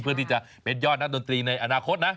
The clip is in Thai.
เพื่อที่จะเป็นยอดนักดนตรีในอนาคตนะ